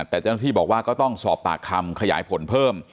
แต่เจ้าหน้าที่บอกว่าก็ต้องสอบปากคำขยายผลเพิ่ม